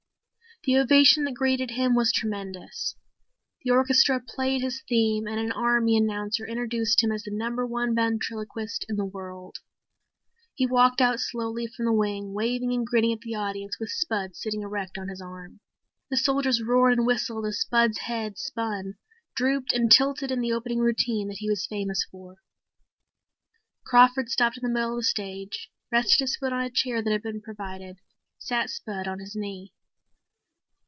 The ovation that greeted him was tremendous. The orchestra played his theme and an army announcer introduced him as the Number One ventriloquist in the world. He walked out slowly from the wing, waving and grinning at the audience with Spud sitting erect on his arm. The soldiers roared and whistled as Spud's head spun, drooped and tilted in the opening routine that he was famous for. Crawford stopped in the middle of the stage, rested his foot on a chair that had been provided, sat Spud on his knee.